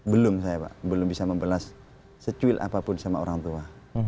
belum saya pak belum bisa membalas secuil apapun sama orang tua